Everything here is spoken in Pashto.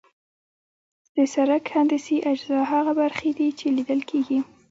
د سرک هندسي اجزا هغه برخې دي چې لیدل کیږي